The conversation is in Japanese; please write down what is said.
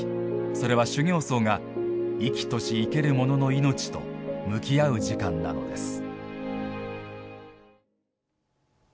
それは修行僧が生きとし生けるものの命と向き合う時間なのです。